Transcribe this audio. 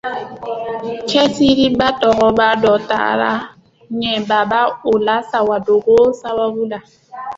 Cɛsiribaa tɔgɔba dɔ taara ɲɛ Baba OlaSawadogo sababu la